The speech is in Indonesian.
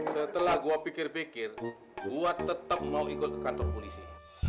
setelah gue pikir pikir gue tetap mau ikut ke kantor polisi